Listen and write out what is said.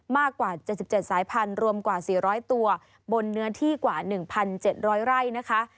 มากกว่า๗๗สายพันธุ์รวมกว่า๔๐๐ตัวบนเนื้อที่กว่า๑๗๐๐ไร่นะคะ